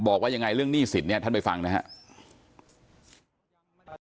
บอกว่าอย่างไรเรื่องหนี้สิทธิ์ท่านไปฟังนะครับ